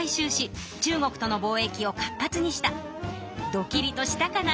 ドキリとしたかな？